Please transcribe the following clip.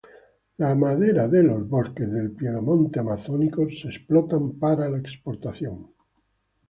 Las maderas de los bosques del piedemonte amazónico son explotadas para la exportación.